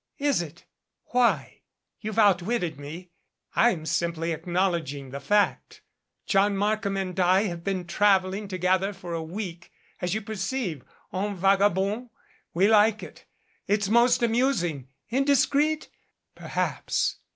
"Is it? Why? You've outwitted me. I'm simply acknowledging the fact. John Markham and I have been traveling together for a week as you perceive en vaga bond. We like it. It's most amusing. Indiscreet? Per haps.